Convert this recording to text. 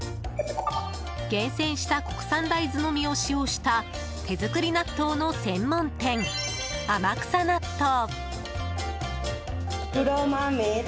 厳選した国産大豆のみを使用した手作り納豆の専門店、天草納豆。